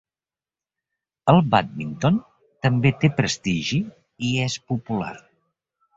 El bàdminton també té prestigi i és popular.